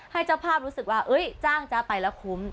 ให้เจ้าภาพรู้สึกว่าจ้างจ๊ะไปแล้วคุ้ม